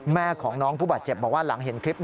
แม่ของน้องผู้บาดเจ็บบอกว่าหลังเห็นคลิป